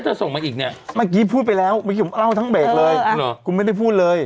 เธอส่งมาอีกเนี่ย